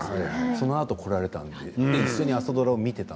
そのあと来られて一緒に朝ドラを見られていて